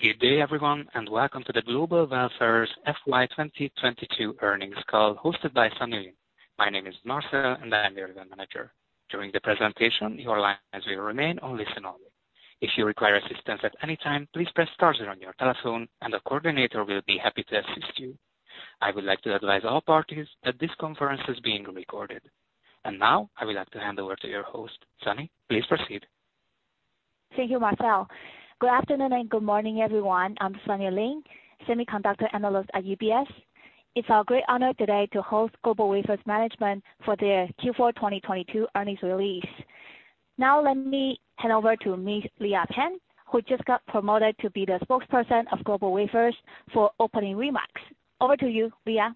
Good day everyone, and welcome to the GlobalWafers FY 2022 earnings call hosted by Sunny Lin. My name is Marcel, and I am your event manager. During the presentation, your lines will remain on listen only. If you require assistance at any time, please press star zero on your telephone and the coordinator will be happy to assist you. I would like to advise all parties that this conference is being recorded. Now I would like to hand over to your host. Sunny, please proceed. Thank you, Marcel. Good afternoon and good morning everyone. I'm Sunny Lin, semiconductor analyst at UBS. It's our great honor today to host GlobalWafers management for their Q4 2022 earnings release. Let me hand over to Ms. Leah Chen, who just got promoted to be the Spokesperson of GlobalWafers for opening remarks. Over to you, Leah.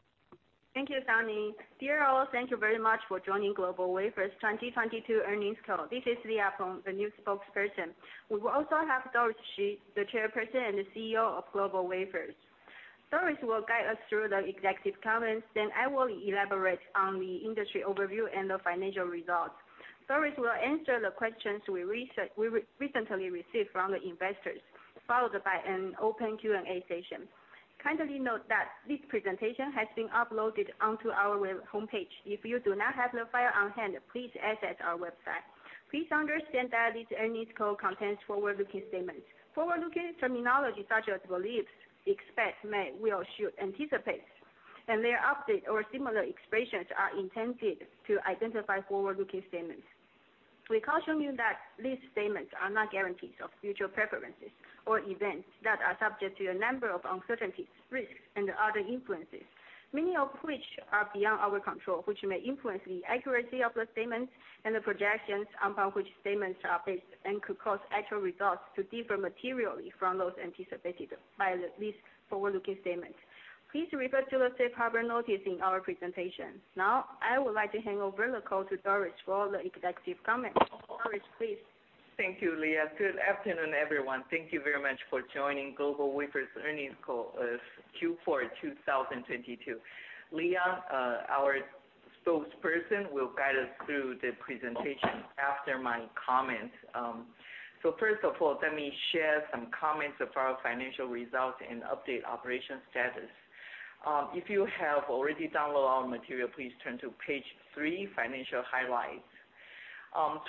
Thank you, Sunny. Dear all, thank you very much for joining GlobalWafers 2022 earnings call. This is Leah Peng, the new spokesperson. We will also have Doris Hsu, the Chairperson and the CEO of GlobalWafers. Doris will guide us through the executive comments, then I will elaborate on the industry overview and the financial results. Doris will answer the questions we recently received from the investors, followed by an open Q&A session. Kindly note that this presentation has been uploaded onto our web homepage. If you do not have the file on hand, please access our website. Please understand that this earnings call contains forward-looking statements. Forward-looking terminology such as believes, expect, may, will, should, anticipate, and their update or similar expressions are intended to identify forward-looking statements. We caution you that these statements are not guarantees of future preferences or events that are subject to a number of uncertainties, risks, and other influences, many of which are beyond our control, which may influence the accuracy of the statements and the projections upon which statements are based and could cause actual results to differ materially from those anticipated by these forward-looking statements. Please refer to the safe harbor notice in our presentation. I would like to hand over the call to Doris for the executive comments. Doris, please. Thank you, Leah. Good afternoon, everyone. Thank you very much for joining GlobalWafers earnings call, Q4 2022. Lea, our spokesperson, will guide us through the presentation after my comments. First of all, let me share some comments of our financial results and update operation status. If you have already downloaded our material, please turn to page three, Financial Highlights.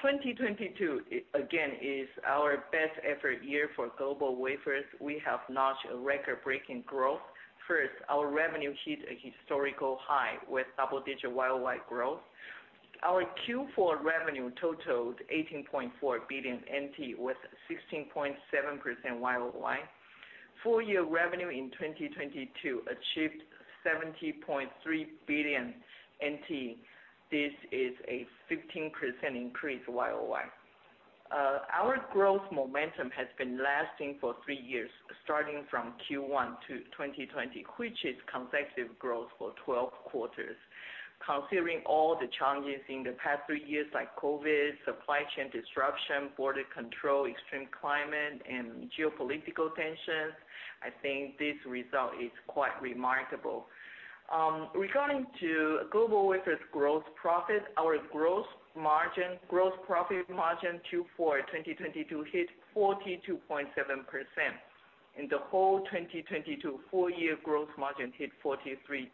2022 is our best ever year for GlobalWafers. We have notched a record-breaking growth. First, our revenue hit a historical high with double-digit YoY growth. Our Q4 revenue totaled 18.4 billion NT with 16.7% YoY. Full year revenue in 2022 achieved 70.3 billion NT. This is a 15% increase YoY. Our growth momentum has been lasting for three years, starting from Q1 to 2020, which is consecutive growth for 12 quarters. Considering all the challenges in the past three years like COVID, supply chain disruption, border control, extreme climate, and geopolitical tensions, I think this result is quite remarkable. Regarding to GlobalWafers gross profit, our gross margin, gross profit margin Q4 2022 hit 42.7%. In the whole 2022 full year gross margin hit 43.2%.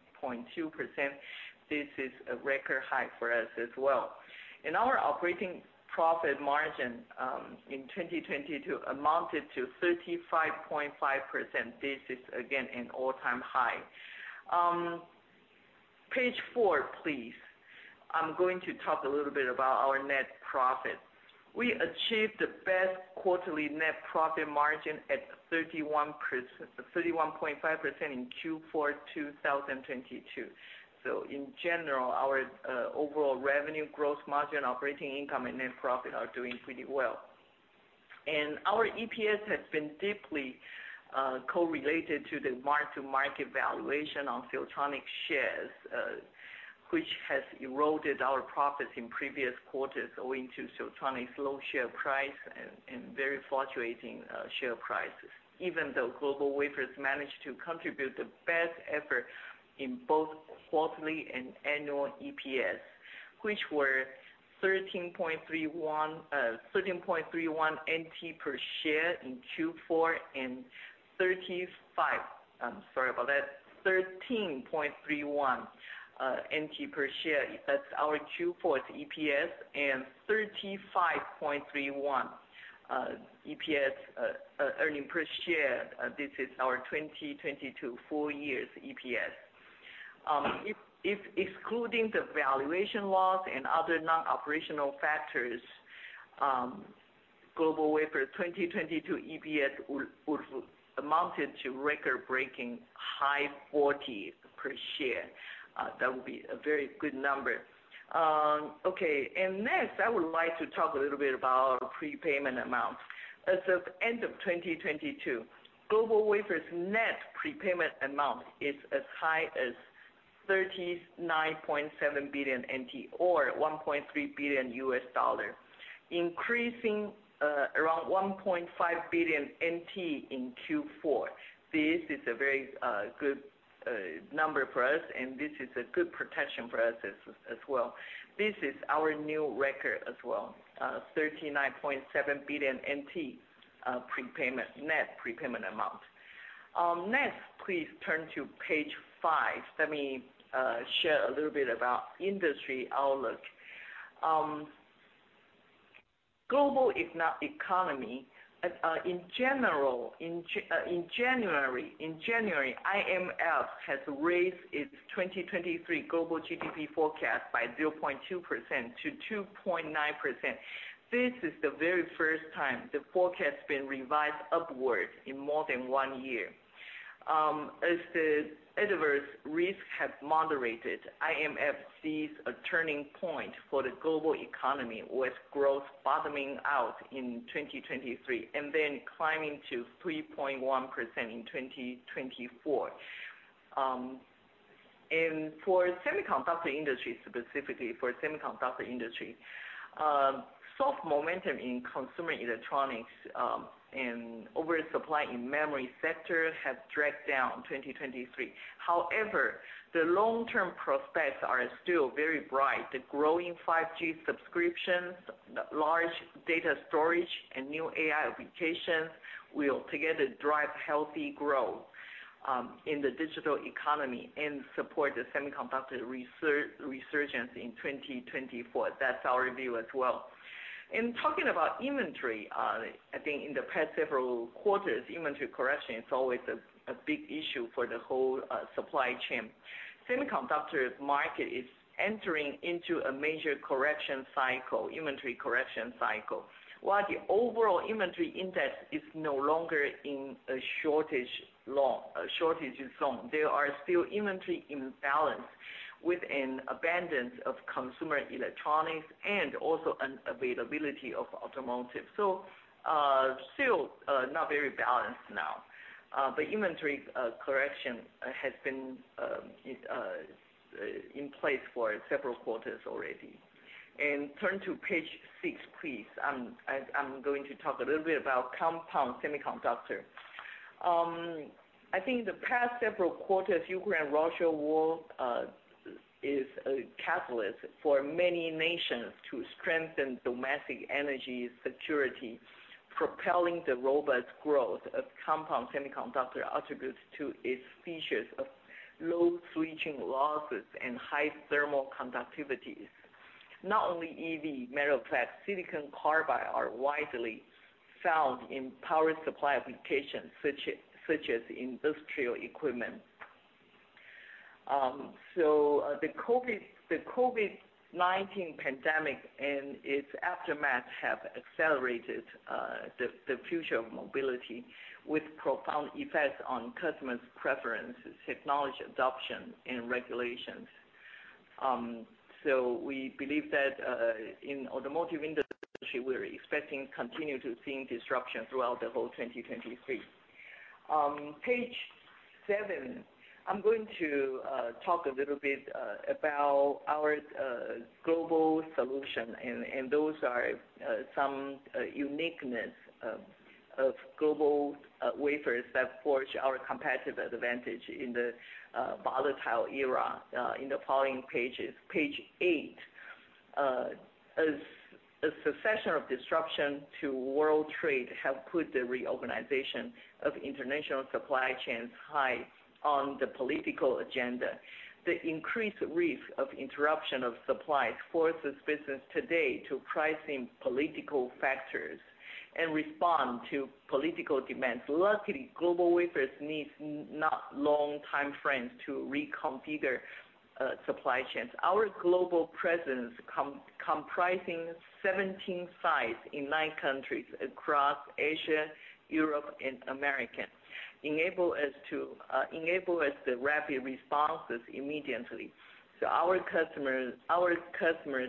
This is a record high for us as well. Our operating profit margin in 2022 amounted to 35.5%. This is again, an all-time high. Page four, please. I'm going to talk a little bit about our net profit. We achieved the best quarterly net profit margin at 31.5% in Q4 2022. In general, our overall revenue gross margin, operating income and net profit are doing pretty well. Our EPS has been deeply correlated to the mark-to-market valuation on Siltronic shares, which has eroded our profits in previous quarters owing to Siltronic's low share price and very fluctuating share prices. Even though GlobalWafers managed to contribute the best ever in both quarterly and annual EPS, which were 13.31 per share in Q4 and 35. I'm sorry about that. 13.31 NT per share, that's our Q4 EPS and 35.31 EPS, earning per share, this is our 2022 full years EPS. If excluding the valuation loss and other non-operational factors, GlobalWafers's 2022 EPS would've amounted to record-breaking high 40 per share. That would be a very good number. Okay. Next, I would like to talk a little bit about our prepayment amount. As of end of 2022, GlobalWafers' net prepayment amount is as high as 39.7 billion NT or $1.3 billion, increasing around 1.5 billion NT in Q4. This is a very good number for us, and this is a good protection for us as well. This is our new record as well, 39.7 billion NT prepayment, net prepayment amount. Next, please turn to page five. Let me share a little bit about industry outlook. Global if not economy, in general, in January, IMF has raised its 2023 global GDP forecast by 0.2% to 2.9%. This is the very first time the forecast been revised upwards in more than one year. As the adverse risk has moderated, IMF sees a turning point for the global economy, with growth bottoming out in 2023 and then climbing to 3.1% in 2024. For semiconductor industry, specifically for semiconductor industry, soft momentum in consumer electronics, and oversupply in memory sector has dragged down 2023. However, the long-term prospects are still very bright. The growing 5G subscriptions, large data storage and new AI applications will together drive healthy growth in the digital economy and support the semiconductor resurgence in 2024. That's our review as well. Talking about inventory, I think in the past several quarters, inventory correction is always a big issue for the whole supply chain. Semiconductor market is entering into a major correction cycle, inventory correction cycle. While the overall inventory interest is no longer in a shortage zone, there are still inventory imbalance with an abundance of consumer electronics and also an availability of automotive. Still not very balanced now, but inventory correction has been in place for several quarters already. Turn to page six, please. I'm going to talk a little bit about compound semiconductor. I think the past several quarters, Ukraine-Russia war is a catalyst for many nations to strengthen domestic energy security, propelling the robust growth of compound semiconductor attributes to its features of low switching losses and high thermal conductivities. Not only EV, metal plat silicon carbide are widely found in power supply applications such as industrial equipment. The COVID-19 pandemic and its aftermath have accelerated the future of mobility with profound effects on customers' preferences, technology adoption and regulations. We believe that in automotive industry, we're expecting continue to seeing disruption throughout the whole 2023. Page seven. I'm going to talk a little bit about our global solution, and those are some uniqueness of GlobalWafers that forge our competitive advantage in the volatile era. In the following pages. Page eight. As succession of disruption to world trade have put the reorganization of international supply chains high on the political agenda, the increased risk of interruption of supplies forces business today to price in political factors and respond to political demands. Luckily, GlobalWafers needs not long time frames to reconfigure supply chains. Our global presence comprising 17 sites in nine countries across Asia, Europe and America enable us the rapid responses immediately. Our customers, our customer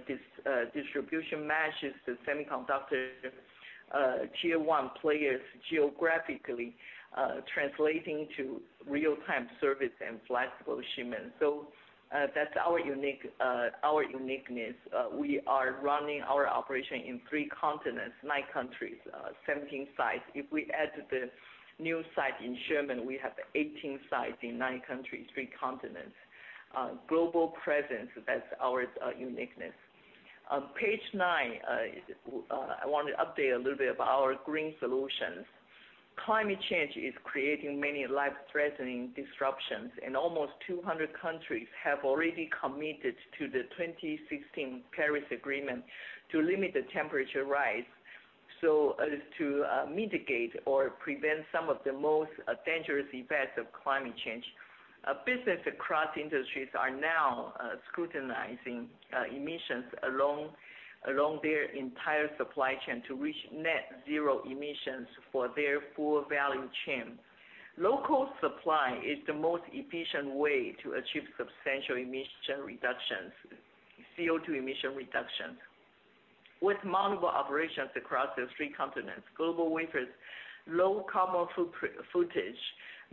distribution matches the semiconductor, Tier 1 players geographically, translating to real-time service and flexible shipment. That's our unique, our uniqueness. We are running our operation in three continents, nine countries, 17 sites. If we add the new site in Sherman, we have 18 sites in nine countries, three continents. Global presence, that's our uniqueness. Page nine. I want to update a little bit about our green solutions. Climate change is creating many life-threatening disruptions. Almost 200 countries have already committed to the 2016 Paris Agreement to limit the temperature rise, so as to mitigate or prevent some of the most dangerous effects of climate change. Business across industries are now scrutinizing emissions along their entire supply chain to reach net zero emissions for their full value chain. Local supply is the most efficient way to achieve substantial emission reductions, CO2 emission reduction. With multiple operations across the three continents, GlobalWafers' low carbon footage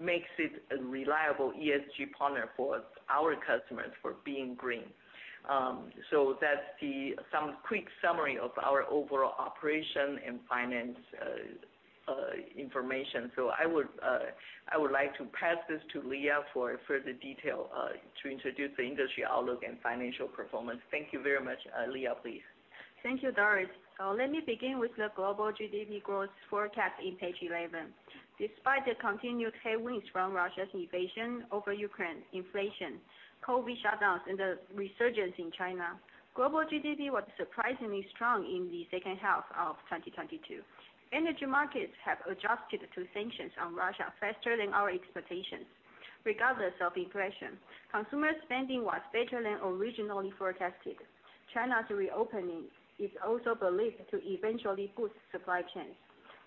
makes it a reliable ESG partner for our customers for being green. That's the, some quick summary of our overall operation and finance information. I would like to This to Leah for further detail to introduce the industry outlook and financial performance. Thank you very much. Leah, please. Thank you, Doris. Let me begin with the global GDP growth forecast in page 11. Despite the continued headwinds from Russia's invasion over Ukraine, inflation, COVID shutdowns and the resurgence in China, global GDP was surprisingly strong in the second half of 2022. Energy markets have adjusted to sanctions on Russia faster than our expectations. Regardless of inflation, consumer spending was better than originally forecasted. China's reopening is also believed to eventually boost supply chains.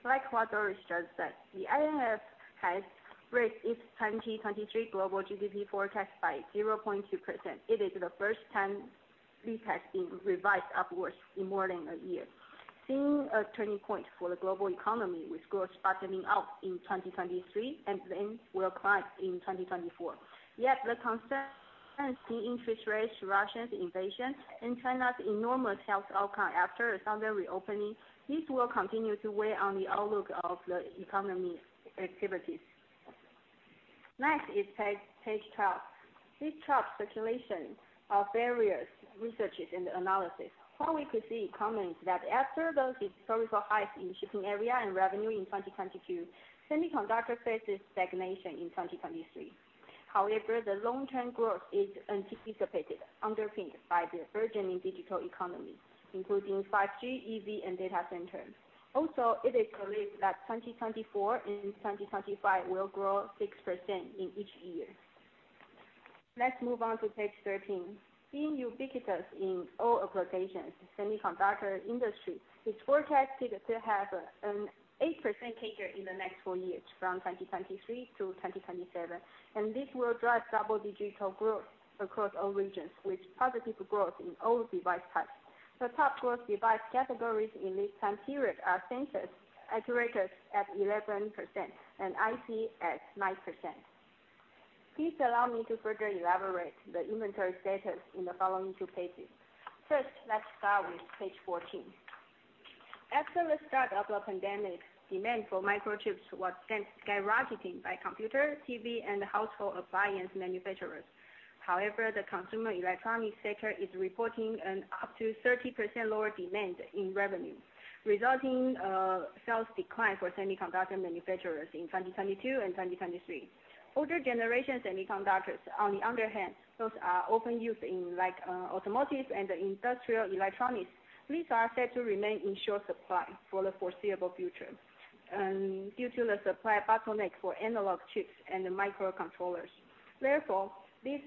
Like what Doris just said, the IMF has raised its 2023 global GDP forecast by 0.2%. It is the first time it has been revised upwards in more than a year. Seeing a turning point for the global economy, with growth bottoming out in 2023, and then will climb in 2024. Yet the concerns in interest rates, Russia's invasion and China's enormous health outcome after a sudden reopening, this will continue to weigh on the outlook of the economy activities. Next is page 12. This chart circulation of various researches and analysis, where we could see comments that after the historical highs in shipping area and revenue in 2022, semiconductor faces stagnation in 2023. However, the long term growth is anticipated, underpinned by the burgeoning digital economy, including 5G, EV and data center. Also, it is believed that 2024 and 2025 will grow 6% in each year. Let's move on to page 13. Being ubiquitous in all applications, semiconductor industry is forecasted to have 8% CAGR in the next four years from 2023 to 2027. This will drive double digital growth across all regions, with positive growth in all device types. The top growth device categories in this time period are sensors, actuators at 11% and IC at 9%. Please allow me to further elaborate the inventory status in the following two pages. First, let's start with page 14. After the start of the pandemic, demand for microchips was sky-rocketing by computer, TV and household appliance manufacturers. However, the consumer electronics sector is reporting an up to 30% lower demand in revenue, resulting sales decline for semiconductor manufacturers in 2022 and 2023. Older generation semiconductors, on the other hand, those are often used in like automotives and industrial electronics. These are set to remain in short supply for the foreseeable future, due to the supply bottleneck for analog chips and the microcontrollers. This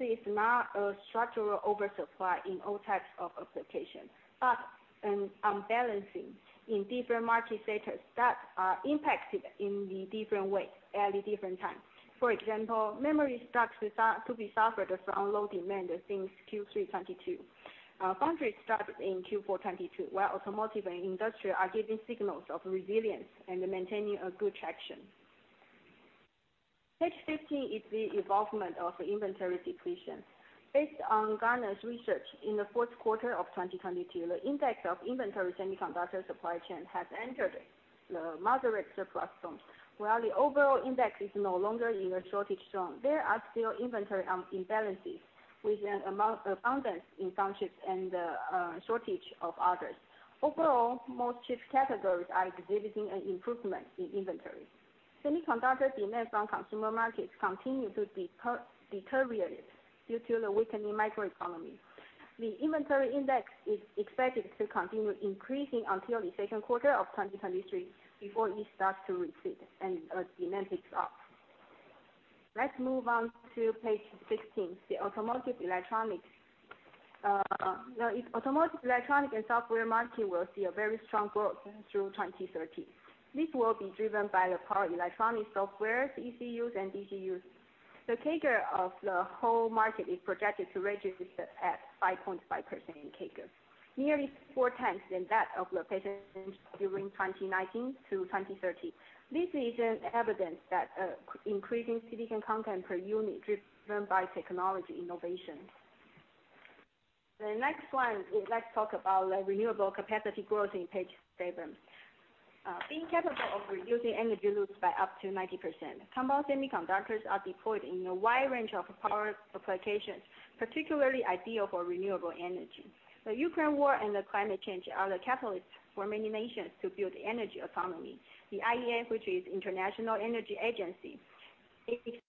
is not a structural oversupply in all types of applications, but a balancing in different market sectors that are impacted in the different way at a different time. For example, memory starts to be suffered from low demand since Q3 2022. Foundry started in Q4 2022, while automotive and industrial are giving signals of resilience and maintaining a good traction. Page 15 is the evolvement of the inventory depletion. Based on Gartner's research in the fourth quarter of 2022, the index of inventory semiconductor supply chain has entered the moderate surplus zone, while the overall index is no longer in a shortage zone. There are still inventory imbalances with an amount abundance in foundries and shortage of others. Overall, most chip categories are exhibiting an improvement in inventory. Semiconductor demand from consumer markets continue to deteriorate due to the weakening microeconomy. The inventory index is expected to continue increasing until the second quarter of 2023, before it starts to recede and demand picks up. Let's move on to page 16. The automotive electronics. The automotive electronic and software market will see a very strong growth through 2030. This will be driven by the power electronic software, ECUs and DCUs. The CAGR of the whole market is projected to register at 5.5%, nearly 4x than that of the patient during 2019 to 2030. This is an evidence that increasing silicon content per unit driven by technology innovation. The next one is, let's talk about the renewable capacity growth in page seven. Being capable of reducing energy loops by up to 90%, compound semiconductors are deployed in a wide range of power applications, particularly ideal for renewable energy. The Ukraine war and the climate change are the catalysts for many nations to build energy economy. The IEA, which is International Energy Agency, is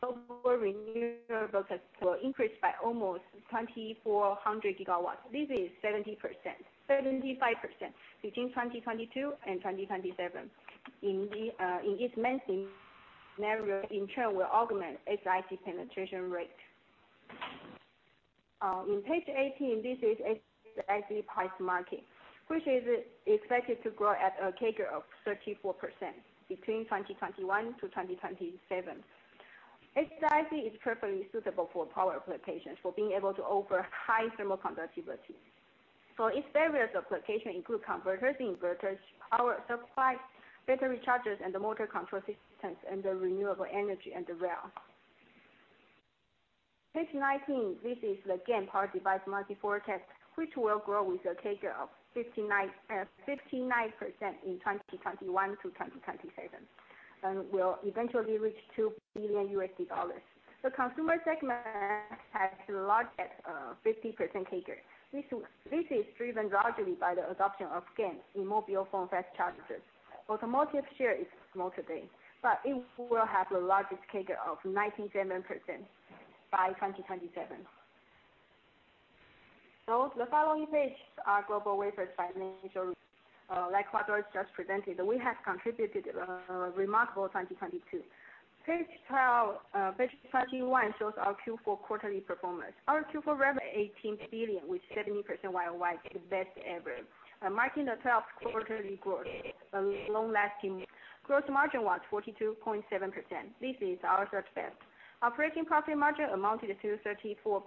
overall renewable test will increase by almost 2,400 GW. This is 75% between 2022 and 2027. In its maintaining narrow in turn will augment SiC penetration rate. In page 18, this is SiC price market, which is expected to grow at a CAGR of 34% between 2021 to 2027. SiC is perfectly suitable for power applications, for being able to offer high thermal conductivity. Its various applications include converters, inverters, power supply, battery chargers and motor control systems, and the renewable energy and the rail. Page 19, this is the GaN power device market forecast, which will grow with a CAGR of 59% in 2021 to 2027, and will eventually reach $2 billion. The consumer segment has the largest 50% CAGR. This is driven largely by the adoption of GaN in mobile phone fast chargers. Automotive share is small today, but it will have the largest CAGR of 97% by 2027. The following page are GlobalWafers financial, like what Doris just presented. We have contributed remarkable 2022. Page 12, page 21 shows our Q4 quarterly performance. Our Q4 revenue 18 billion with 70% YoY, the best ever, marking the twelfth quarterly growth, a long lasting. Gross margin was 42.7%. This is our third best. Operating profit margin amounted to 34.6%.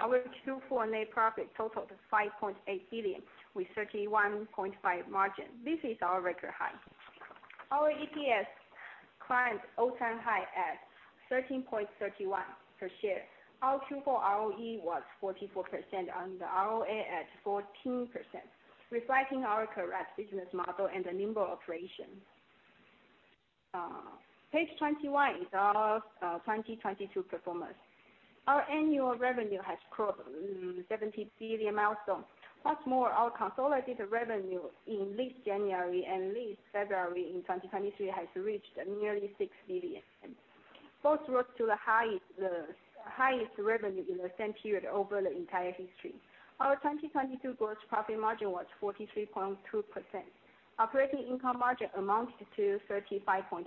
Our Q4 net profit totaled 5.8 billion with 31.5% margin. This is our record high. Our EPS climbed all-time high at 13.31 per share. Our Q4 ROE was 44% and the ROA at 14%, reflecting our correct business model and the nimble operation. Page 21 is our 2022 performance. Our annual revenue has crossed 70 billion milestone. What's more, our consolidated revenue in this January and this February in 2023 has reached nearly 6 billion. Both rose to the highest revenue in the same period over the entire history. Our 2022 gross profit margin was 43.2%. Operating income margin amounted to 35.5%.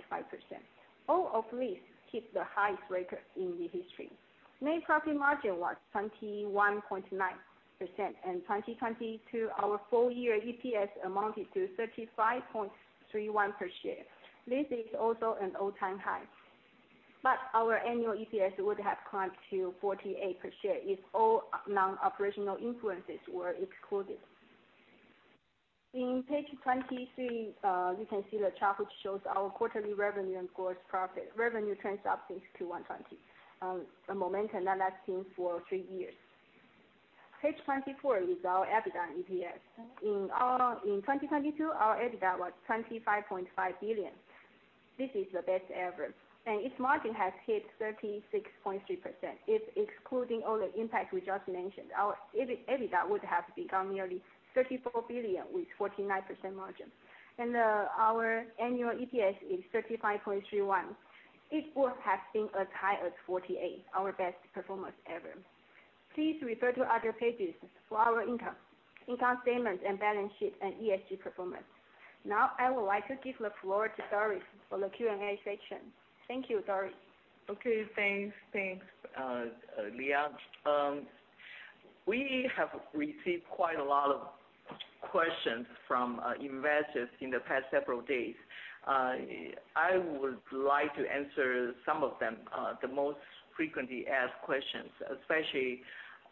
All of these hit the highest record in the history. Net profit margin was 21.9%. In 2022, our full year EPS amounted to 35.31 per share. This is also an all-time high. Our annual EPS would have climbed to 48 per share if all non-operational influences were excluded. In page 23, you can see the chart which shows our quarterly revenue and gross profit. Revenue trends up since 2020, a momentum that lasting for three years. Page 24 is our EBITDA and EPS. In 2022, our EBITDA was 25.5 billion. This is the best ever, and its margin has hit 36.3%. If excluding all the impact we just mentioned, our EBITDA would have become nearly 34 billion with 49% margin. Our annual EPS is 35.31. It would have been as high as 48, our best performance ever. Please refer to other pages for our income statements and balance sheet and ESG performance. I would like to give the floor to Doris for the Q&A section. Thank you, Doris. Okay, thanks. Thanks, Leah. We have received quite a lot of questions from investors in the past several days. I would like to answer some of them, the most frequently asked questions, especially,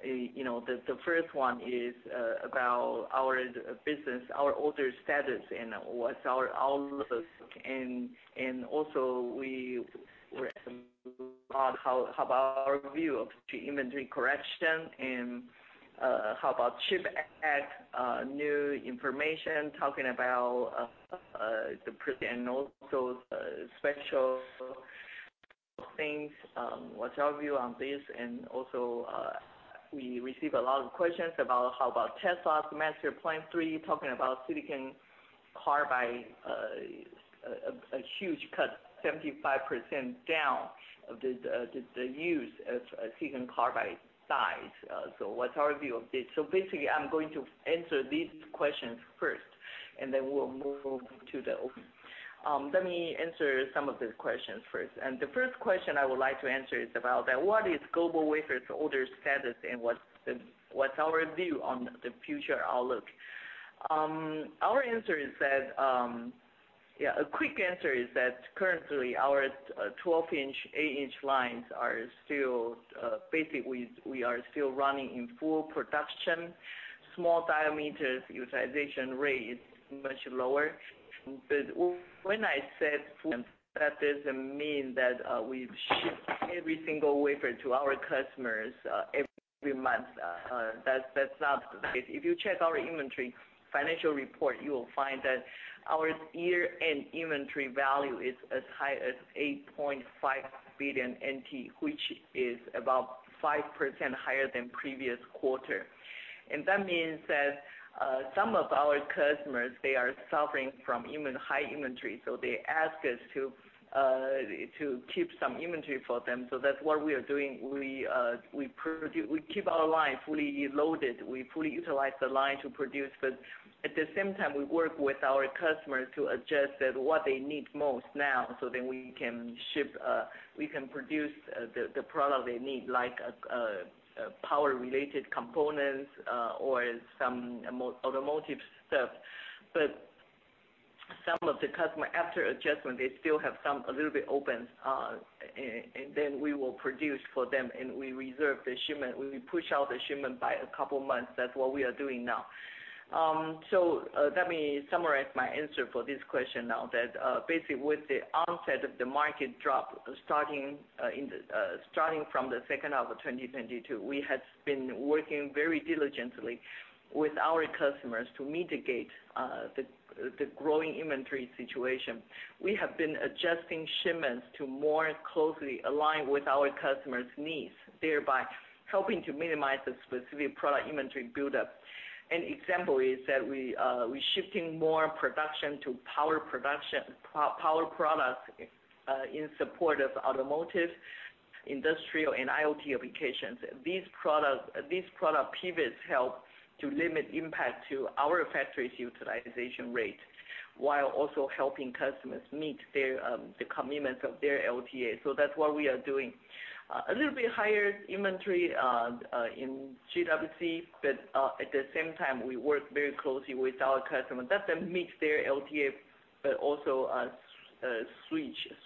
you know, the first one is about our business, our order status, and what's our outlook. Also, we were asked about how about our view of the inventory correction and how about CHIPS Act new information, talking about the print and also special things. What's our view on this? Also, we receive a lot of questions about how about Tesla's Master Plan Part 3, talking about silicon carbide, a huge cut, 75% down of the use of silicon carbide size. What's our view of this? I'm going to answer these questions first, and then we'll move to those. Let me answer some of the questions first. The first question I would like to answer is about what is GlobalWafers order status and what's our view on the future outlook? Our answer is that a quick answer is that currently our 12-inch, 8-inch lines are still basically we are still running in full production. Small diameters utilization rate is much lower. When I said full, that doesn't mean that we ship every single wafer to our customers every month. That's not the case. If you check our inventory financial report, you will find that our year-end inventory value is as high as 8.5 billion NT, which is about 5% higher than previous quarter. That means that some of our customers, they are suffering from even high inventory, so they ask us to keep some inventory for them. That's what we are doing. We keep our line fully loaded. We fully utilize the line to produce, but at the same time, we work with our customers to adjust that what they need most now, so then we can ship, we can produce the product they need, like power related components, or some automotive stuff. Some of the customer, after adjustment, they still have some, a little bit open, and then we will produce for them, and we reserve the shipment. We push out the shipment by a couple of months. That's what we are doing now. Let me summarize my answer for this question now that, basically, with the onset of the market drop starting from the second half of 2022, we have been working very diligently with our customers to mitigate the growing inventory situation. We have been adjusting shipments to more closely align with our customers' needs, thereby helping to minimize the specific product inventory buildup. An example is that we're shifting more production to power production, power products in support of automotive, industrial, and IoT applications. These products, these product pivots help to limit impact to our factory's utilization rate, while also helping customers meet their the commitments of their LTAs. That's what we are doing. A little bit higher inventory in GWC, at the same time, we work very closely with our customers. Meets their LTA, but also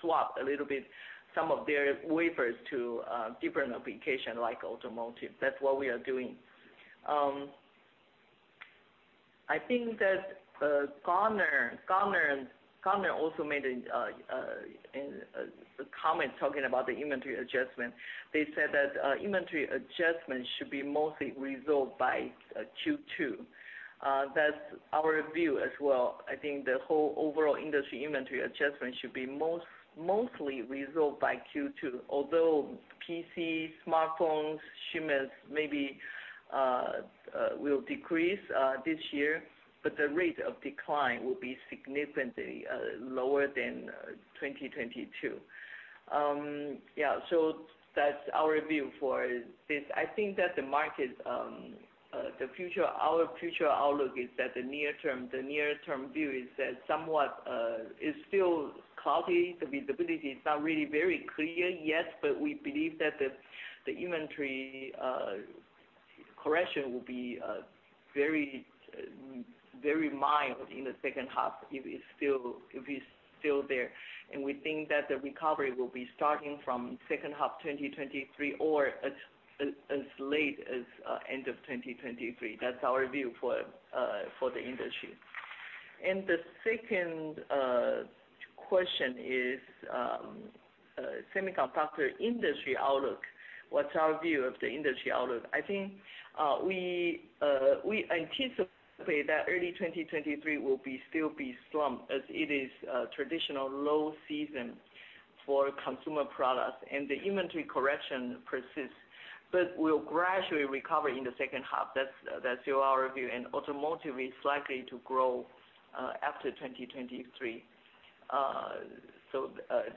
swap a little bit some of their wafers to different application like automotive. That's what we are doing. I think that Gartner also made a comment talking about the inventory adjustment. They said inventory adjustments should be mostly resolved by Q2. That's our view as well. I think the whole overall industry inventory adjustment should be mostly resolved by Q2. Although PC, smartphones shipments maybe will decrease this year, but the rate of decline will be significantly lower than 2022. That's our view for this. I think that the market, the future, our future outlook is that the near term view is that somewhat is still cloudy. The visibility is not really very clear yet, but we believe that the inventory correction will be very mild in the second half if it's still there. We think that the recovery will be starting from second half 2023 or as late as end of 2023. That's our view for the industry. The second question is semiconductor industry outlook. What's our view of the industry outlook? I think we anticipate that early 2023 will be still be slump as it is a traditional low season for consumer products and the inventory correction persists. We'll gradually recover in the second half. That's our view. Automotive is likely to grow after 2023.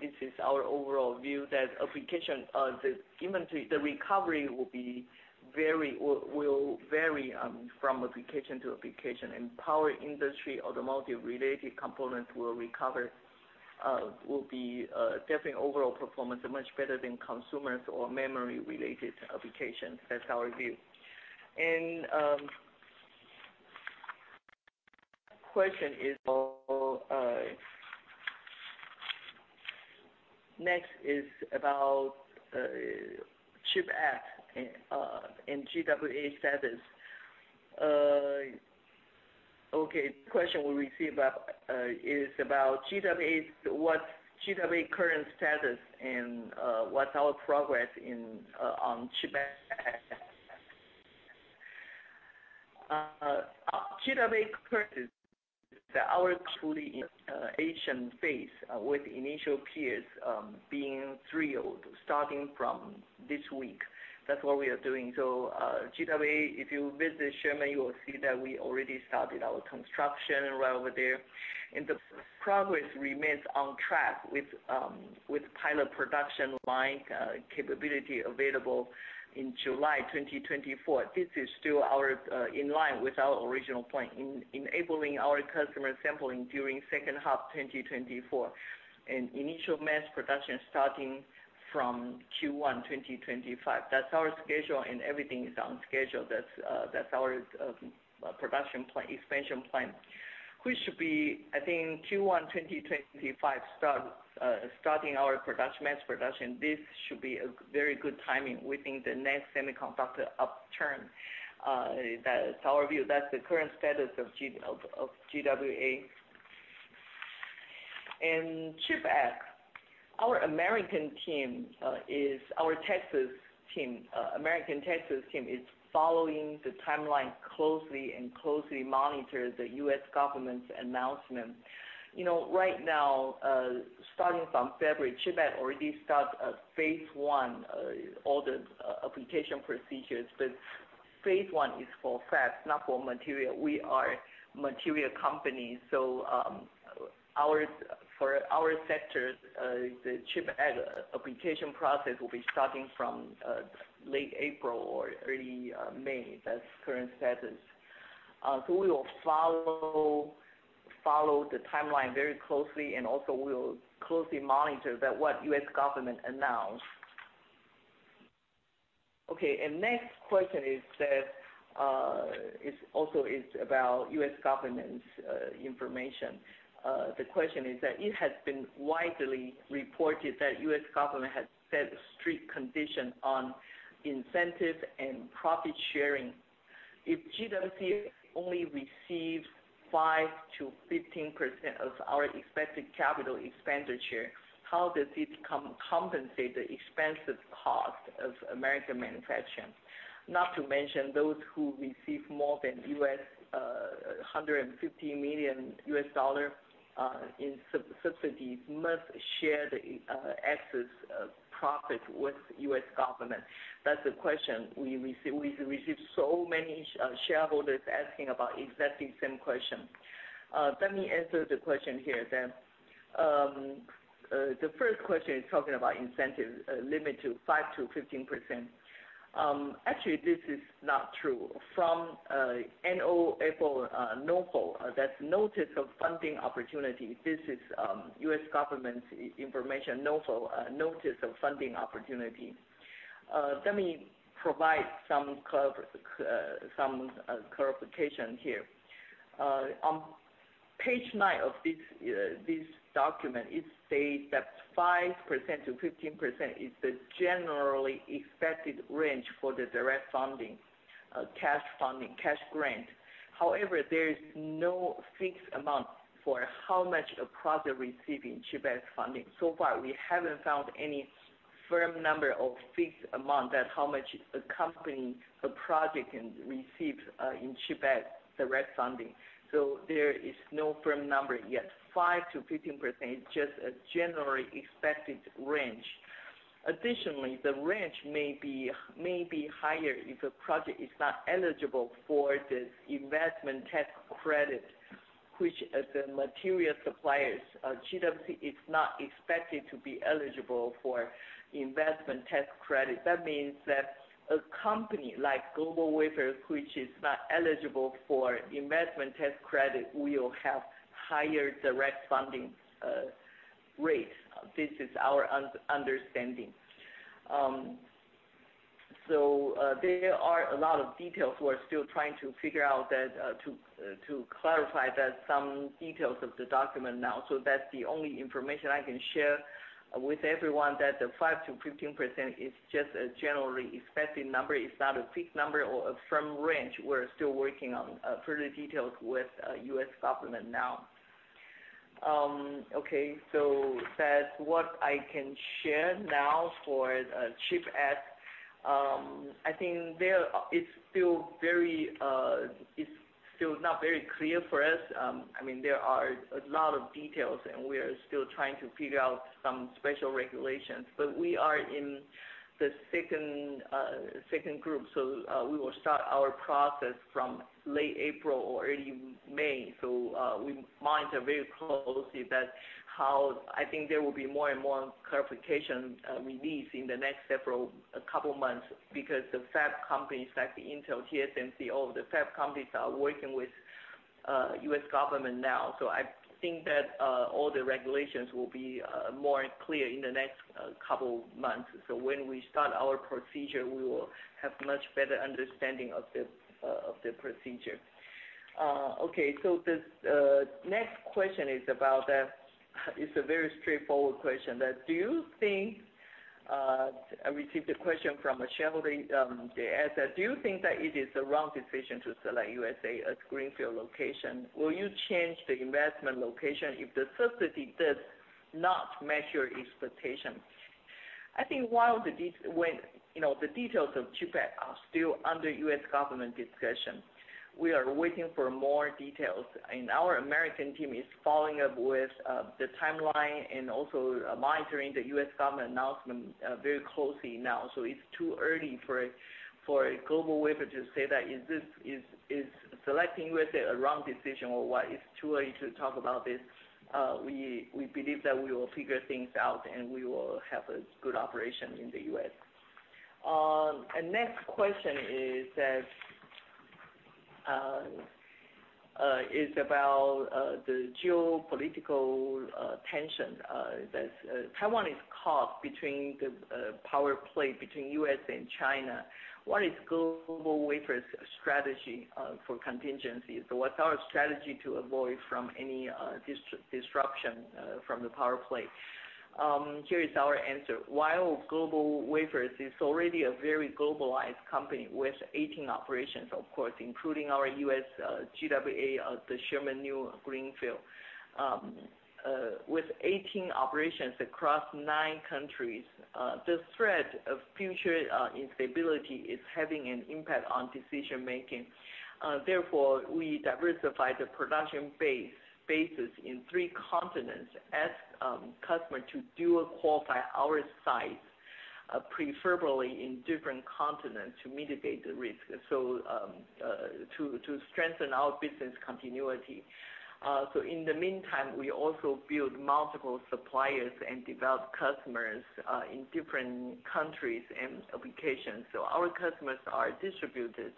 This is our overall view that application, the inventory, the recovery will vary from application to application. Power industry automotive related components will recover, will be definitely overall performance much better than consumers or memory related applications. That's our view. Question is about CHIPS Act and GWA status. The question we received is about GWA, what GWA current status and what's our progress in on CHIPS Act. GWA current is our truly Asian phase with initial peers being three old starting from this week. That's what we are doing. GWA, if you visit Sherman, you will see that we already started our construction right over there. The progress remains on track with pilot production line capability available in July 2024. This is still our in line with our original plan, enabling our customer sampling during second half 2024. Initial mass production starting from Q1 2025. That's our schedule, and everything is on schedule. That's our production plan, expansion plan. We should be, I think Q1 2025 start starting our production, mass production. This should be a very good timing within the next semiconductor upturn. That's our view. That's the current status of GWA. CHIPS Act, our American team is our Texas team. American Texas team is following the timeline closely and closely monitor the U.S. government's announcement. You know, right now, starting from February, CHIPS Act already start a phase I, all the application procedures, but phase I is for fab, not for material. We are material company. Our, for our sector, the CHIPS Act application process will be starting from late April or early May. That's current status. We will follow the timeline very closely and also we'll closely monitor that what U.S. government announce. Okay. Next question is that is also is about U.S. government's information. The question is that it has been widely reported that U.S. government has set strict conditions on incentive and profit sharing. If GWC only receives 5%-15% of our expected capital expenditure, how does it compensate the expensive cost of American manufacturing? Not to mention those who receive more than $150 million in subsidies must share the excess profit with U.S. government. That's the question. We receive so many shareholders asking about exactly same question. Let me answer the question here then. The first question is talking about incentive limit to 5%-15%. Actually, this is not true. From NOFO, that's Notice of Funding Opportunity. This is U.S. government's information, NOFO, Notice of Funding Opportunity. Let me provide some clarification here. On page 9 of this document, it states that 5%-15% is the generally expected range for the direct funding, cash funding, cash grant. However, there is no fixed amount for how much a project receiving CHIPS Act funding. So far, we haven't found any firm number or fixed amount at how much a company, a project can receive in CHIPS Act direct funding. There is no firm number yet. 5%-15% is just a generally expected range. The range may be higher if a project is not eligible for the investment tax credit, which as a material suppliers, GWC is not expected to be eligible for investment tax credit. That means that a company like GlobalWafers, which is not eligible for investment tax credit, will have higher direct funding rate. This is our un-understanding. There are a lot of details we're still trying to figure out that to clarify that some details of the document now. That's the only information I can share with everyone, that the 5%-15% is just a generally expected number. It's not a fixed number or a firm range. We're still working on further details with U.S. government now. That's what I can share now for the CHIPS Act. I think there it's still very it's still not very clear for us. I mean, there are a lot of details, and we are still trying to figure out some special regulations, but we are in the second group. We will start our process from late April or early May. We monitor very closely that how. I think there will be more and more clarification released in the next several, couple months because the fab companies like Intel, TSMC, all the fab companies are working with U.S. government now. I think that all the regulations will be more clear in the next couple months. When we start our procedure, we will have much better understanding of the procedure. Okay, the next question is about the. It's a very straightforward question that, "Do you think," I received a question from a shareholder. They asked that, "Do you think that it is a wrong decision to select U.S.A. as Greenfield location? Will you change the investment location if the subsidy does not match your expectations?" I think while the, you know, the details of CHIPS Act are still under U.S. government discussion, we are waiting for more details, and our American team is following up with the timeline and also monitoring the U.S. government announcement very closely now. It's too early for a GlobalWafer to say that is this selecting U.S.A. a wrong decision or what. It's too early to talk about this. We believe that we will figure things out, and we will have a good operation in the U.S. Next question is that is about the geopolitical tension. That's Taiwan is caught between the power play between U.S. and China. What is GlobalWafers' strategy for contingencies? What's our strategy to avoid from any disruption from the power play? Here is our answer. While GlobalWafers is already a very globalized company with eighteen operations, of course, including our U.S., GWA, the Sherman new Greenfield. With eighteen operations across nine countries, the threat of future instability is having an impact on decision-making. Therefore, we diversify the production bases in three continents. Ask customer to do a qualify our sites, preferably in different continents to mitigate the risk. To strengthen our business continuity. In the meantime, we also build multiple suppliers and develop customers in different countries and applications. Our customers are distributed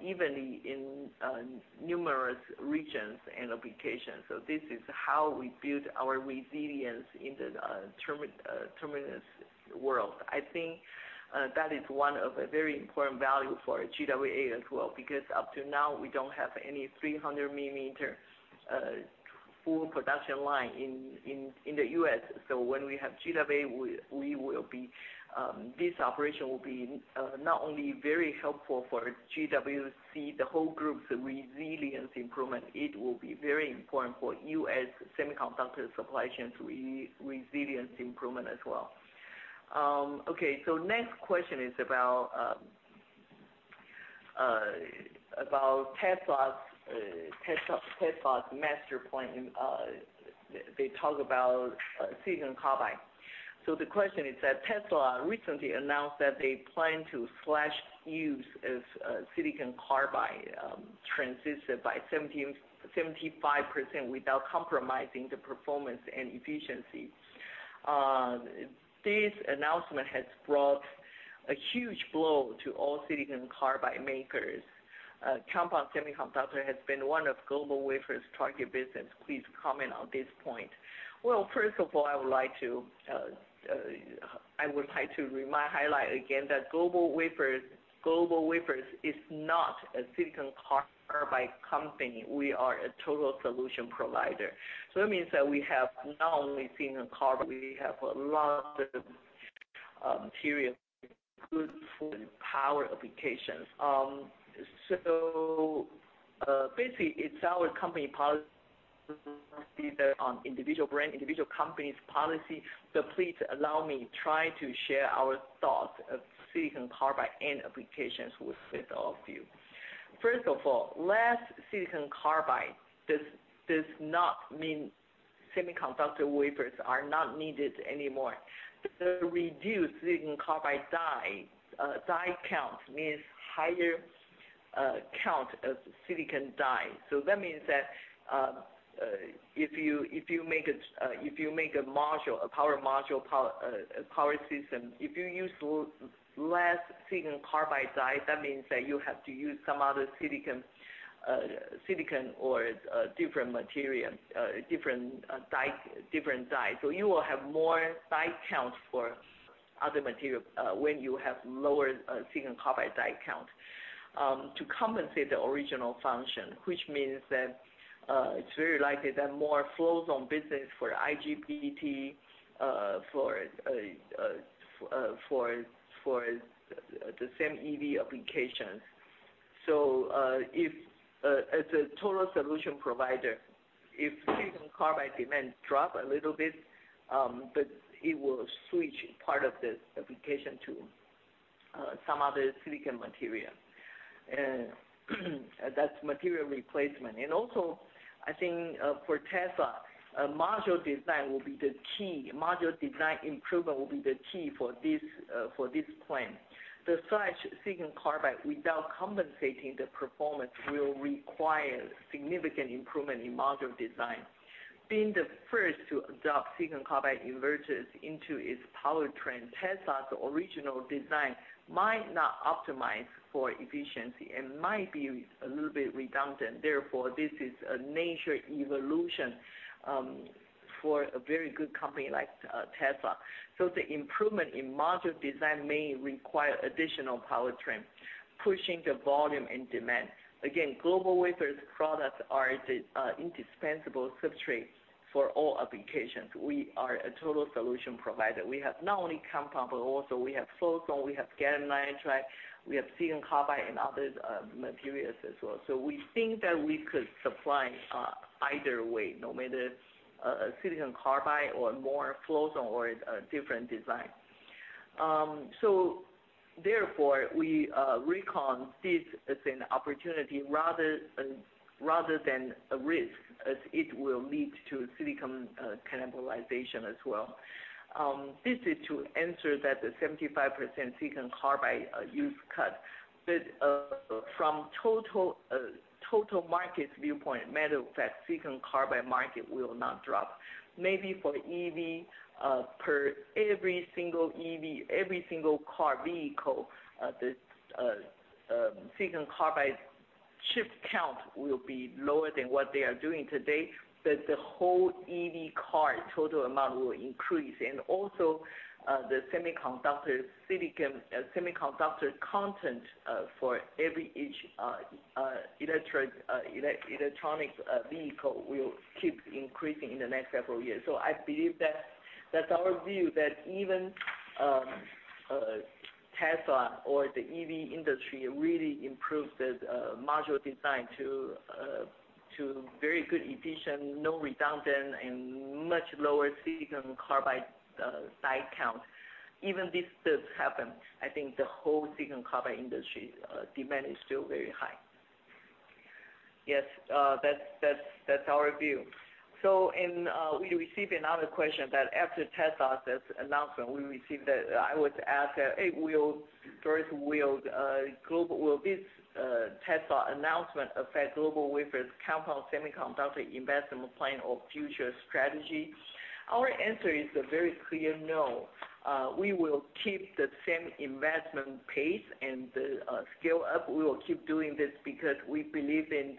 evenly in numerous regions and applications. This is how we build our resilience in the turbulent world. I think that is one of a very important value for GWA as well, because up to now, we don't have any 300 mm full production line in the U.S. When we have GWA, we will be, this operation will be not only very helpful for GWC, the whole group's resilience improvement, it will be very important for U.S. semiconductor supply chains resilience improvement as well. Okay, next question is about about Tesla's Master Plan. They talk about silicon carbide. The question is that Tesla recently announced that they plan to slash use of silicon carbide transistor by 70%, 75% without compromising the performance and efficiency. This announcement has brought a huge blow to all silicon carbide makers. Compound semiconductor has been one of GlobalWafers' target business. Please comment on this point. First of all, I would like to highlight again that GlobalWafers is not a silicon carbide company. We are a total solution provider. That means that we have not only silicon carbide, we have a lot of material good for power applications. Basically it's our company policy that on individual brand, individual company's policy, please allow me try to share our thoughts of silicon carbide and applications with all of you. First of all, less silicon carbide does not mean semiconductor wafers are not needed anymore. The reduced silicon carbide die count means higher count of silicon die. That means that if you, if you make a module, a power module power system, if you use less silicon carbide die, that means that you have to use some other silicon or different material, different die. You will have more die count for other material when you have lower silicon carbide die count to compensate the original function, which means that it's very likely that more float-zone business for IGBT for the same EV application. If as a total solution provider, if silicon carbide demand drop a little bit, but it will switch part of the application to some other silicon material. That's material replacement. I think, for Tesla, a module design will be the key. Module design improvement will be the key for this, for this plan. The such silicon carbide without compensating the performance will require significant improvement in module design. Being the first to adopt silicon carbide inverters into its powertrain, Tesla's original design might not optimize for efficiency and might be a little bit redundant. This is a nature evolution for a very good company like Tesla. The improvement in module design may require additional powertrain, pushing the volume and demand. Again, GlobalWafers' products are the indispensable substrate for all applications. We are a total solution provider. We have not only compound, but also we have float-zone, we have gallium nitride, we have silicon carbide and other materials as well. We think that we could supply either way, no matter silicon carbide or more float-zone or a different design. Therefore we reckon this as an opportunity rather than a risk as it will lead to silicon cannibalization as well. This is to answer that the 75% silicon carbide use cut, but from total market viewpoint, matter of fact, silicon carbide market will not drop. Maybe for EV per every single EV, every single car vehicle, the silicon carbide chip count will be lower than what they are doing today. The whole EV car total amount will increase. Also, the semiconductor silicon semiconductor content for every each electronics vehicle will keep increasing in the next several years. I believe that that's our view, that even Tesla or the EV industry really improves the module design to very good efficient, no redundant and much lower silicon carbide die count. Even this does happen, I think the whole silicon carbide industry demand is still very high. Yes. That, that's our view. In we received another question that after Tesla's announcement, Will this Tesla announcement affect GlobalWafers' compound semiconductor investment plan or future strategy? Our answer is a very clear no. We will keep the same investment pace and the scale up. We will keep doing this because we believe in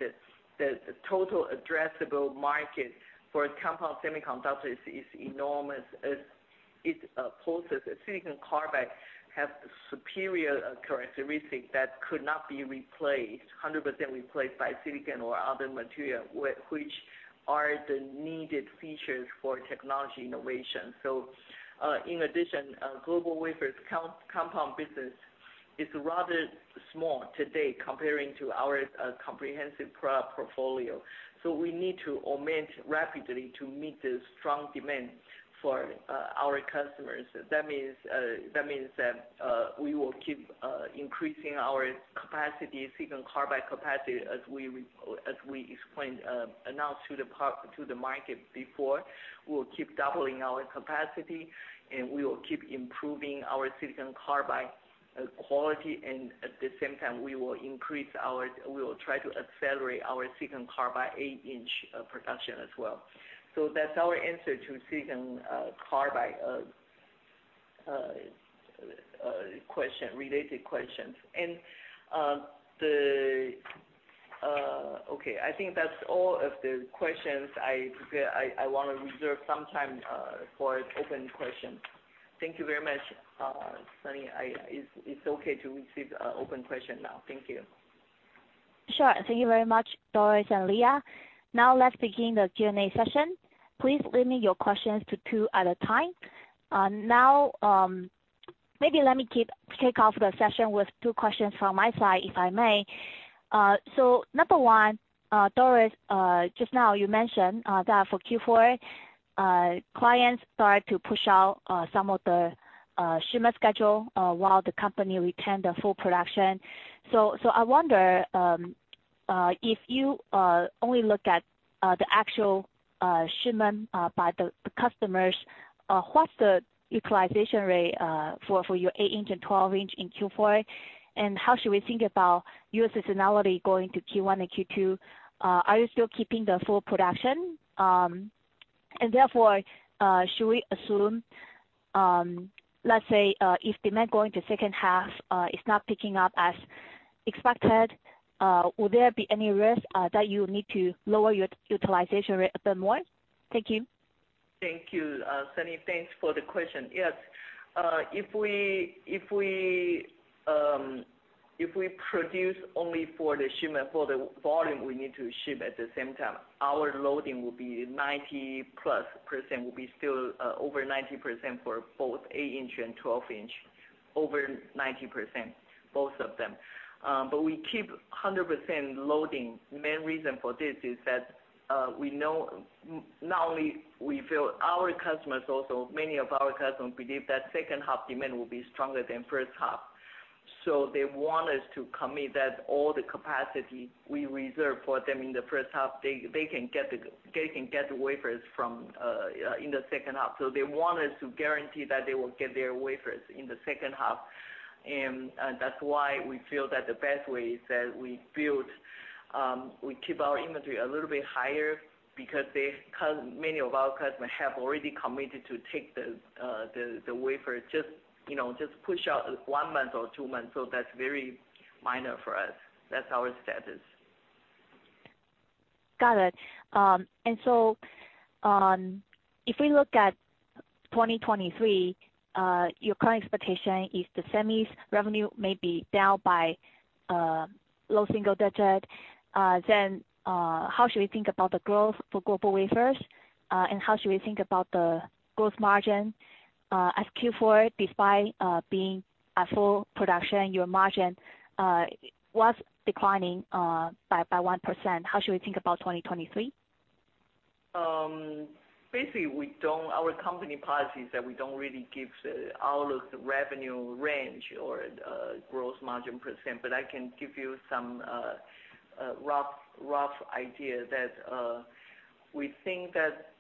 the total addressable market for compound semiconductor is enormous as it poses silicon carbide have the superior characteristic that could not be replaced, 100% replaced by silicon or other material which are the needed features for technology innovation. In addition, GlobalWafers compound business is rather small today comparing to our comprehensive portfolio. We need to augment rapidly to meet the strong demand for our customers. That means that we will keep increasing our capacity, silicon carbide capacity, as we explained, announced to the market before. We'll keep doubling our capacity, and we will keep improving our silicon carbide quality. At the same time, we will increase our. We will try to accelerate our silicon carbide 8-inch production as well. That's our answer to silicon carbide question, related questions. Okay, I think that's all of the questions. I want to reserve some time for open questions. Thank you very much, Sunny. It's okay to receive open question now. Thank you. Sure. Thank you very much, Doris and Leah. Now let's begin the Q&A session. Please limit your questions to two at a time. Now, maybe let me kick off the session with two questions from my side, if I may. Number one, Doris, just now you mentioned that for Q4, clients start to push out some of the shipment schedule while the company retain the full production. I wonder if you only look at the actual shipment by the customers, what's the utilization rate for your 8-inch and 12-inch in Q4? How should we think about your seasonality going to Q1 and Q2? Are you still keeping the full production? Therefore, should we assume, let's say, if demand going to second half, is not picking up as expected, will there be any risk, that you need to lower your utilization rate a bit more? Thank you. Thank you, Sunny. Thanks for the question. Yes. If we, if we produce only for the shipment, for the volume we need to ship at the same time, our loading will be 90%+, will be still over 90% for both 8-inch and 12-inch. Over 90%, both of them. We keep 100% loading. Main reason for this is that we know, not only we feel our customers also, many of our customers believe that second half demand will be stronger than first half. They want us to commit that all the capacity we reserve for them in the first half, they can get the wafers from in the second half. They want us to guarantee that they will get their wafers in the second half. That's why we feel that the best way is that we build, we keep our inventory a little bit higher because many of our customers have already committed to take the wafer. Just, you know, just push out one month or two months, so that's very minor for us. That's our status. Got it. If we look at 2023, your current expectation is the semi's revenue may be down by low single digit. How should we think about the growth for GlobalWafers? How should we think about the gross margin, as Q4, despite being at full production, your margin was declining by 1%? How should we think about 2023? Basically, our company policy is that we don't really give the outlook revenue range or growth margin percent, but I can give you some rough idea that we think that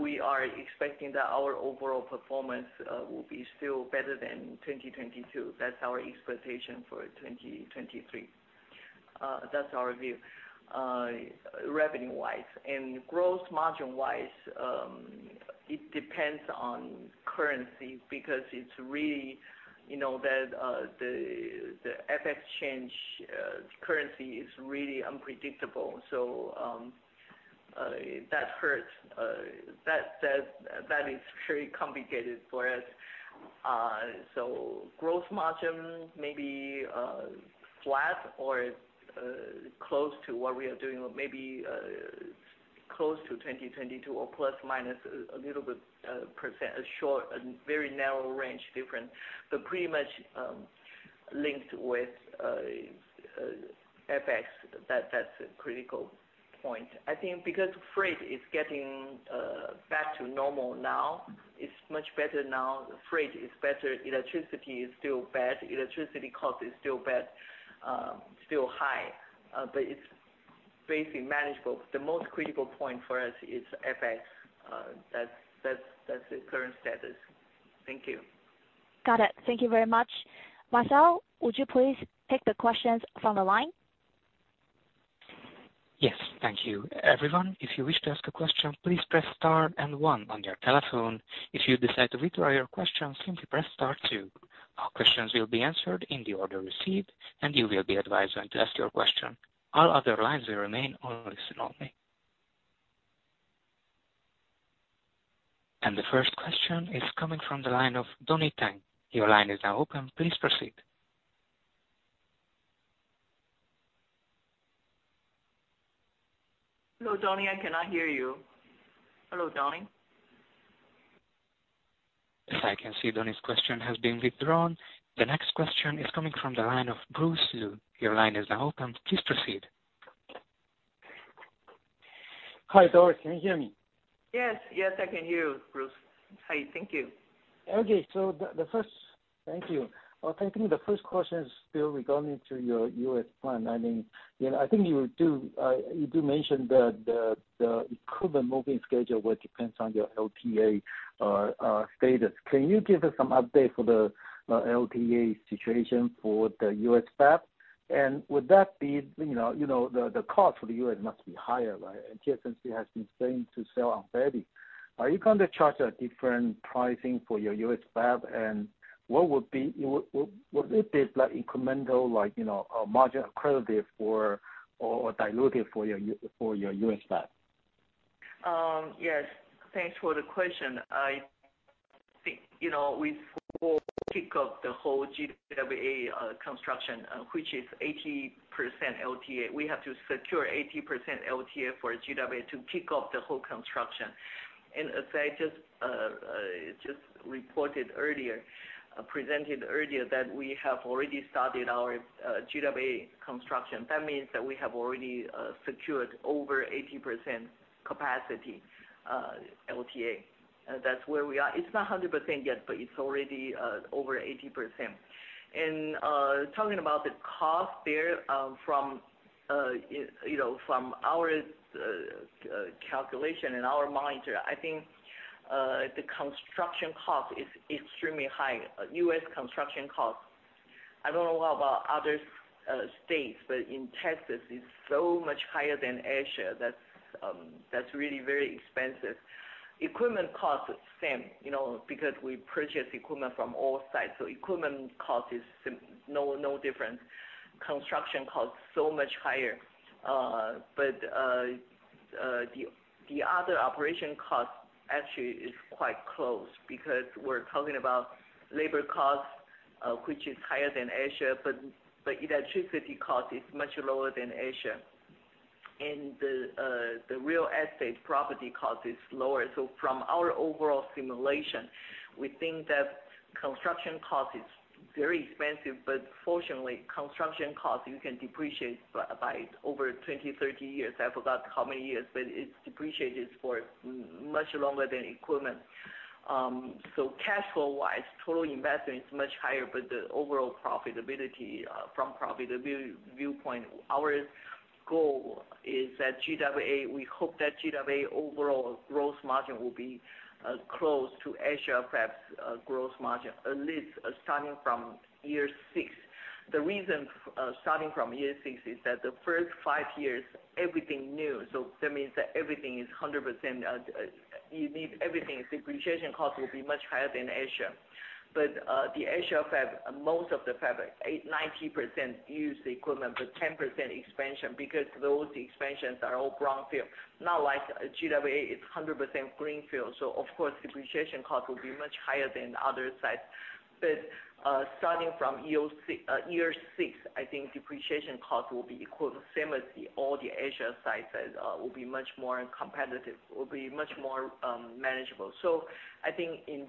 we are expecting that our overall performance will be still better than 2022. That's our expectation for 2023. That's our view, revenue-wise. Growth margin-wise, it depends on currency because it's really, you know, the FX change, currency is really unpredictable. That hurts. That is very complicated for us. Growth margin may be flat or close to what we are doing or maybe close to 2022 or ± a little bit percent. A short and very narrow range difference, pretty much linked with FX. That's a critical point. I think because freight is getting back to normal now, it's much better now. Freight is better. Electricity is still bad. Electricity cost is still bad, still high, but it's basically manageable. The most critical point for us is FX. That's the current status. Thank you. Got it. Thank you very much. Marcel, would you please take the questions from the line? Yes. Thank you. Everyone, if you wish to ask a question, please press star and one on your telephone. If you decide to withdraw your question, simply press star two. Questions will be answered in the order received, and you will be advised when to ask your question. All other lines will remain on listen only. The first question is coming from the line of Donnie Teng. Your line is now open. Please proceed. Hello, Donnie, I cannot hear you. Hello, Donnie. If I can see Donnie's question has been withdrawn. The next question is coming from the line of Bruce Lu. Your line is now open. Please proceed. Hi, Doris. Can you hear me? Yes. Yes, I can hear you, Bruce. Hi. Thank you. The first. Thank you. I think the first question is still regarding to your U.S. plan. I mean, you know, I think you do mention that the equipment moving schedule will depends on your LTA status. Can you give us some update for the LTA situation for the U.S. fab? Would that be, you know, you know, the cost for the U.S. must be higher, right? TSMC has been saying to sell on fab. Are you going to charge a different pricing for your U.S. fab? What would be, what if there's like incremental like, you know, margin accredited for or dilutive for your for your U.S. fab? Yes. Thanks for the question. I think, you know, we will kick off the whole GWA construction, which is 80% LTA. We have to secure 80% LTA for GWA to kick off the whole construction. As I just reported earlier, presented earlier that we have already started our GWA construction. That means that we have already secured over 80% capacity LTA. That's where we are. It's not 100% yet, but it's already over 80%. Talking about the cost there, from, you know, from our calculation and our monitor, I think, the construction cost is extremely high. U.S. construction cost, I don't know about other states, but in Texas, it's so much higher than Asia. That's really very expensive. Equipment cost is same, you know, because we purchase equipment from all sides, so equipment cost is no different. Construction cost so much higher. The other operation cost actually is quite close because we're talking about labor costs, which is higher than Asia, but the electricity cost is much lower than Asia. The real estate property cost is lower. From our overall simulation, we think that construction cost is very expensive, but fortunately, construction cost you can depreciate by over 20 years, 30 years. I forgot how many years, but it's depreciated for much longer than equipment. Cash flow wise, total investment is much higher, but the overall profitability, from profitability viewpoint, our goal is that GWA, we hope that GWA overall gross margin will be close to Asia fab's gross margin, at least starting from year six. The reason starting from year six is that the first five years, everything new, that means that everything is 100%, you need everything. Depreciation cost will be much higher than Asia. The Asia fab, most of the fab, 80%-90% use the equipment, but 10% expansion because those expansions are all brownfield, not like GWA, it's 100% greenfield. Of course, depreciation cost will be much higher than other sites. Starting from year six, I think depreciation cost will be equal, the same as the all the Asia sites as will be much more competitive, will be much more manageable. I think in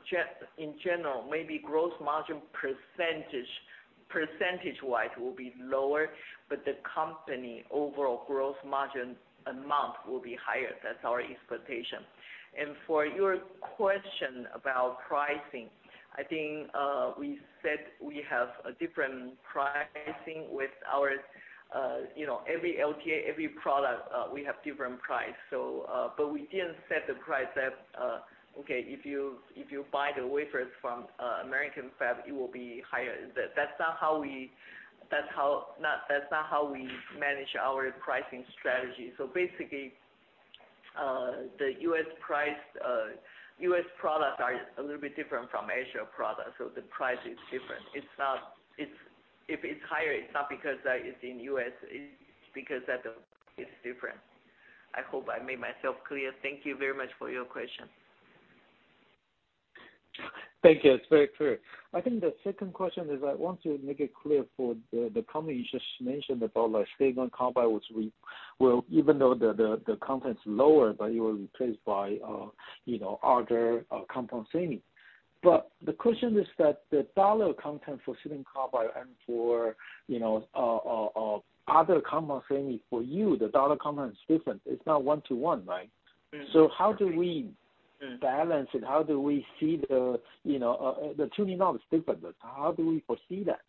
general, maybe gross margin percentage-wise will be lower, but the company overall gross margin amount will be higher. That's our expectation. For your question about pricing, I think we said we have a different pricing with our, you know, every LTA, every product, we have different price. But we didn't set the price that, okay, if you, if you buy the wafers from American Fab, it will be higher. That's not how we manage our pricing strategy. Basically, the U.S. price, U.S. products are a little bit different from Asia products, so the price is different. It's not, if it's higher, it's not because it's in U.S., it's because that it's different. I hope I made myself clear. Thank you very much for your question. Thank you. It's very clear. I think the second question is I want to make it clear for the company you just mentioned about like silicon carbide, which we will even though the content's lower, but it will be replaced by, you know, other compound semi. The question is that the dollar content for silicon carbide and for, you know, other compound semi for you, the dollar content is different. It's not one to one, right? Mm-hmm. How do we balance it? How do we see the, you know, the tuning out is different. How do we foresee that?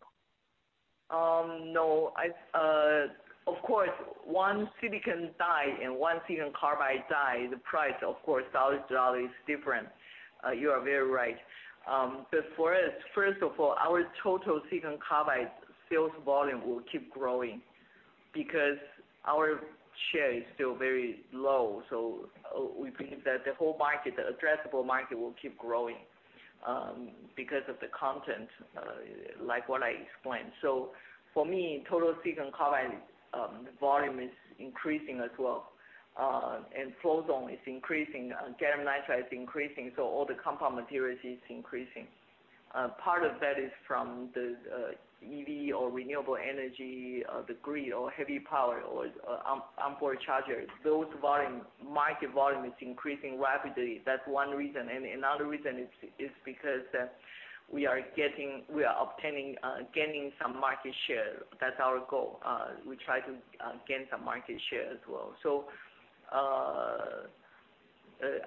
No. I, of course, one silicon die and one silicon carbide die, the price of course, dollar to dollar is different. You are very right. For us, first of all, our total silicon carbide sales volume will keep growing. Because our share is still very low, we believe that the whole market, the addressable market will keep growing, because of the content, like what I explained. For me, total silicon carbide volume is increasing as well. Float-zone is increasing, gallium nitride is increasing, all the compound materials is increasing. Part of that is from the EV or renewable energy, the grid or heavy power or onboard chargers. Those market volume is increasing rapidly. That's one reason. Another reason is because we are obtaining, gaining some market share. That's our goal. We try to gain some market share as well.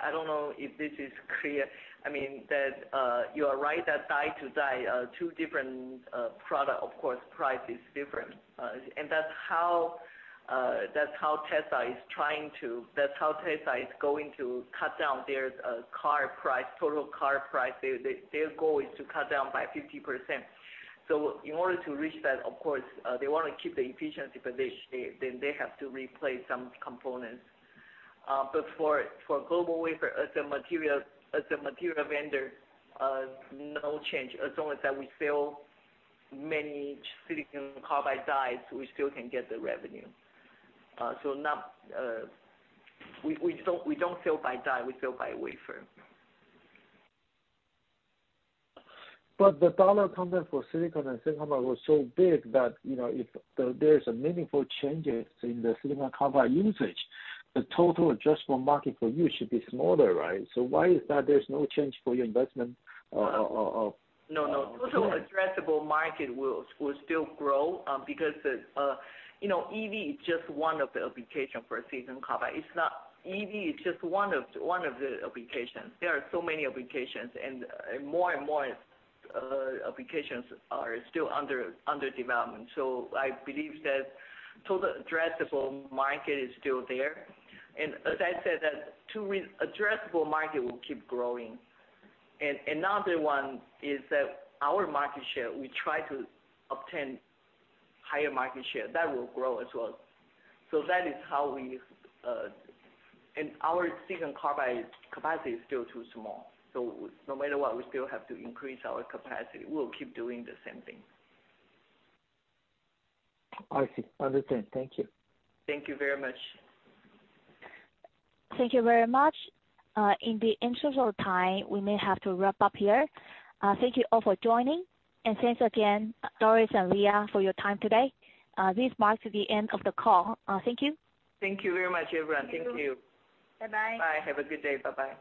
I don't know if this is clear. I mean, that you are right that die to die, two different product, of course price is different. That's how Tesla is going to cut down their car price, total car price. Their goal is to cut down by 50%. In order to reach that, of course, they wanna keep the efficiency, but they have to replace some components. For GlobalWafers as a material, as a material vendor, no change. As long as that we sell many silicon carbide dies, we still can get the revenue. Not, we don't sell by die, we sell by wafer. The dollar content for silicon and silicon was so big that, you know, if there's a meaningful changes in the silicon carbide usage, the total addressable market for you should be smaller, right? Why is that there's no change for your investment? No, no. Yeah. Total addressable market will still grow, because the, you know, EV is just one of the application for silicon carbide. EV is just one of the applications. There are so many applications and more and more applications are still under development. I believe that total addressable market is still there. As I said, that addressable market will keep growing. Another one is that our market share, we try to obtain higher market share. That will grow as well. That is how we. Our silicon carbide capacity is still too small. No matter what, we still have to increase our capacity. We'll keep doing the same thing. I see. Understand. Thank you. Thank you very much. Thank you very much. In the interest of time, we may have to wrap up here. Thank you all for joining. Thanks again, Doris and Leah, for your time today. This marks the end of the call. Thank you. Thank you very much, everyone. Thank you. Thank you. Bye-bye. Bye. Have a good day. Bye-bye.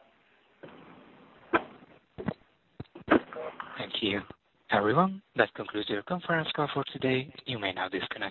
Thank you, everyone. That concludes your conference call for today. You may now disconnect.